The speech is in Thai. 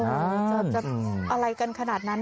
จะอะไรกันขนาดนั้น